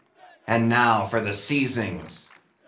and now for the seizings."